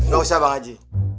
gak usah bang haji